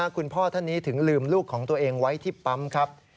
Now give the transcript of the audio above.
คุณพ่อท่านนี้ถึงลืมลูกของตัวเองไว้ที่ปั๊มครับ